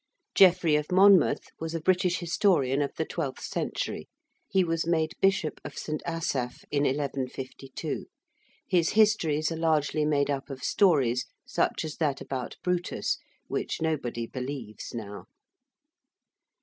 ~Geoffrey of Monmouth~ was a British historian of the twelfth century. He was made Bishop of St. Asaph in 1152. His 'histories' are largely made up of stories, such as that about Brutus, which nobody believes now.